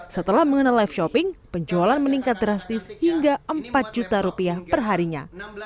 setelah mengenal live shopping penjualan meningkat drastis hingga rp empat per harinya